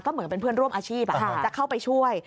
เหมือนเป็นเพื่อนร่วมอาชีพจะเข้าไปช่วย